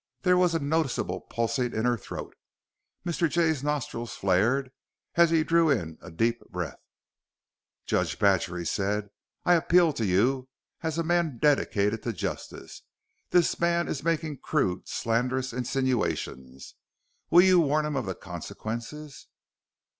There was a noticeable pulsing in her throat. Mr. Jay's nostrils flared as he drew in a deep breath. "Judge Badger," he said, "I appeal to you as a man dedicated to justice. This man is making crude, slanderous insinuations. Will you warn him of the consequences?"